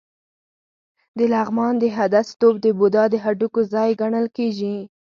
د لغمان د هده ستوپ د بودا د هډوکو ځای ګڼل کېږي